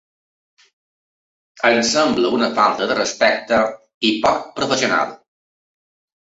Em sembla una falta de respecte i poc professional.